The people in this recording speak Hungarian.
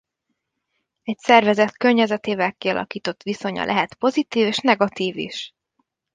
Egy szervezet környezetével kialakított viszonya lehet pozitív és negatív is.